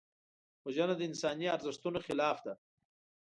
وژنه د انساني ارزښتونو خلاف ده